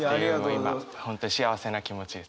今本当に幸せな気持ちです。